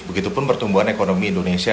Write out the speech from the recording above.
begitu pun pertumbuhan ekonomi indonesia